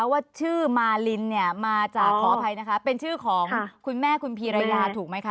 ว่าชื่อมารินเนี่ยมาจากขออภัยนะคะเป็นชื่อของคุณแม่คุณพีรยาถูกไหมคะ